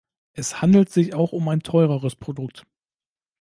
Es handelt sich auch um ein teureres Produkt.